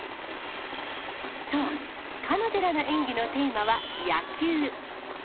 そう、彼女らの演技のテーマは野球。